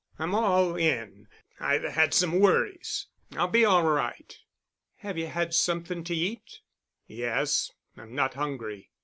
"I'm all in, I've had some worries. I'll be all right.' "Have you had something to eat?" "Yes. I'm not hungry."